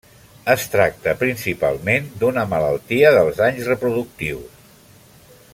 Es tracta principalment d'una malaltia dels anys reproductius.